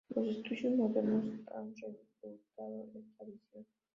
Los estudios modernos han refutado esta visión.